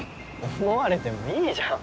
思われてもいいじゃん。